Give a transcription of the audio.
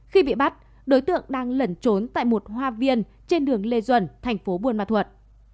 khi bị bắt đối tượng đang lẩn trốn tại một hoa viên trên đường lê duẩn thành phố buôn ma thuật